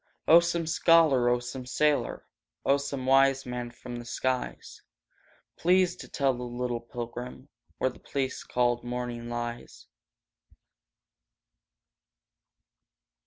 Oh, some scholar! Oh, some sailor! Oh, some wise man from the skies! Please to tell a little pilgrim Where the place called morning lies!